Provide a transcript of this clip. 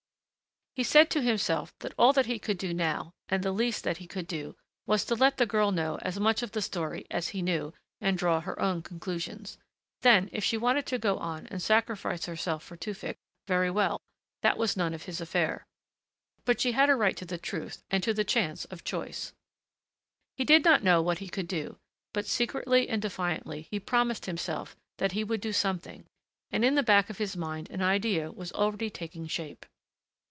He said to himself that all that he could do now and the least that he could do was to let the girl know as much of the story as he knew and draw her own conclusions. Then, if she wanted to go on and sacrifice herself for Tewfick, very well. That was none of his affair. But she had a right to the truth and to the chance of choice. He did not know what he could do, but secretly and defiantly he promised himself that he would do something, and in the back of his mind an idea was already taking shape.